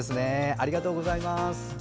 ありがとうございます。